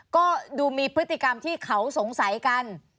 ก็ดูมีพฤติกรรมที่เขาสงสัยกัน